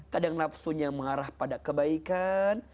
kadang nafsunya mengarah pada kebaikan